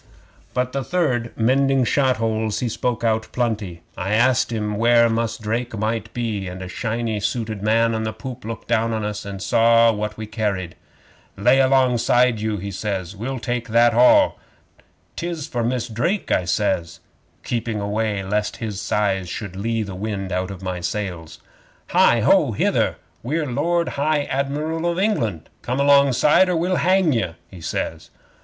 But the third, mending shot holes, he spoke out plenty. I asked him where Mus' Drake might be, and a shiny suited man on the poop looked down into us, and saw what we carried. '"Lay alongside you!" he says. "We'll take that all." '"'Tis for Mus' Drake," I says, keeping away lest his size should lee the wind out of my sails. '"Hi! Ho! Hither! We're Lord High Admiral of England! Come alongside, or we'll hang ye," he says.